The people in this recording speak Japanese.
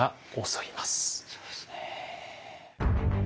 そうですね。